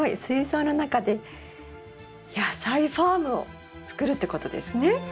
水槽の中で野菜ファームを作るってことですね？